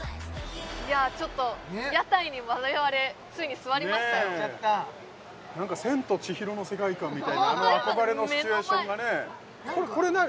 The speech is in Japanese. いやちょっと屋台に我々ついに座りましたよ座っちゃった何かみたいなあの憧れのシチュエーションがねこれ何？